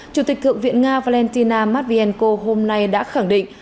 chủ tịch thượng viện nga valentina matvienko hôm nay đã khẳng định